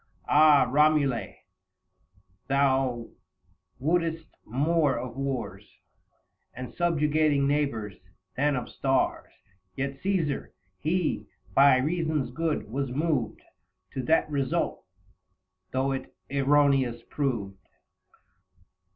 30 Ah ! Komule, thou wottedst more of wars, And subjugating neighbours, than of stars. Yet, Caesar, he, by reasons good, was moved To that result, though it erroneous proved.